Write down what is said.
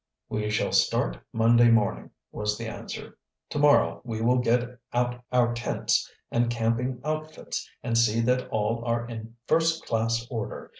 "We shall start Monday morning," was the answer. "To morrow we will get out our tents and camping outfits and see that all are in first class order.